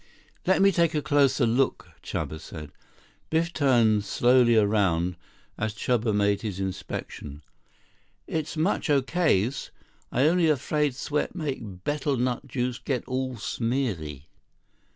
68 "Let me take closer look," Chuba said. Biff turned slowly around as Chuba made his inspection. "Is much okays. I only afraid sweat make betel nut juice get all smeary."